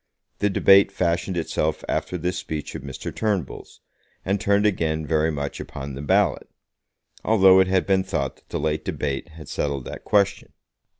The debate fashioned itself after this speech of Mr. Turnbull's, and turned again very much upon the ballot, although it had been thought that the late debate had settled that question.